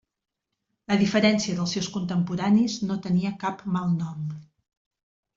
A diferència dels seus contemporanis no tenia cap malnom.